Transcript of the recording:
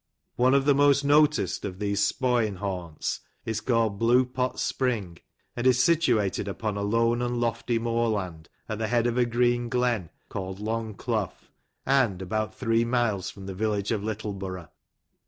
One of the most noted of these " spo'in' " haunts is called " Blue Pots Spring,'' and is situated upon a lone and lofty moorland, at the head of a green glen, called " Long Clough," and, about three miles from the village of Littleborough.